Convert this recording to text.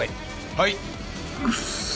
はい。